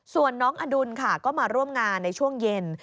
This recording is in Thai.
ส่วนน้องอดุลค่ะก็มาร่วมงานในช่วงเย็น